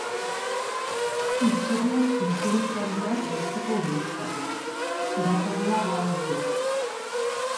Historian lizentziaduna Deustuko Unibertsitatean, irakaslea da ogibidez.